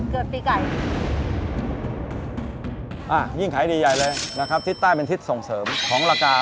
ปีไก่ยิ่งขายดีใหญ่เลยนะครับทิศใต้เป็นทิศส่งเสริมของราคา